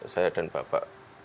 saya dan bapak